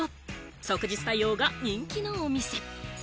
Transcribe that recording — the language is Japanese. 即日対応が人気のお店。